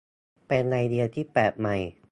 เป็นไอเดียที่แปลกใหม่